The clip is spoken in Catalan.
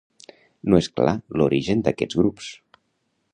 No és clar l'origen d'aquests grups.